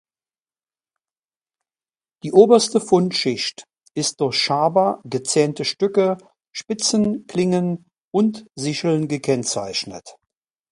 Die oberste Fundschicht ist durch Schaber, gezähnte Stücke, Spitzen, Klingen und Sicheln gekennzeichnet.